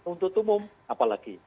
untuk umum apalagi